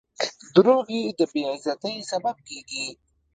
• دروغ د بې عزتۍ سبب کیږي.